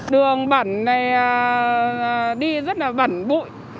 đường bẩn này đi rất là bẩn bụi